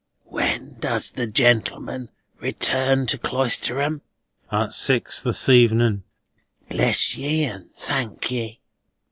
When does the gentleman return to Cloisterham?" "At six this evening." "Bless ye and thank ye.